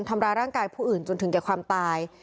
ทำร้ายร่างกายผู้อื่นจนถึงแก่ความตาย